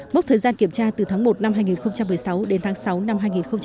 mốc thời gian kiểm tra từ tháng một năm hai nghìn một mươi sáu đến tháng sáu năm hai nghìn một mươi chín